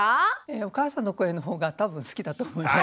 お母さんの声のほうが多分好きだと思います。